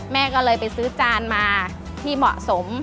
แม่ก็เลยไปซื้อจานมาที่เหมาะสม